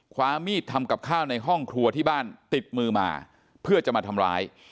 ความมีดทำกับข้าวในห้องครัวที่บ้านติดมือมาเพื่อจะมาทำร้าย